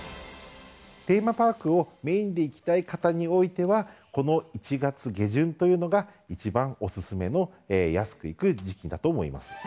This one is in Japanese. テーマパークをメインで行きたい方においては、この１月下旬というのが、一番お勧めの安く行く時期だと思います。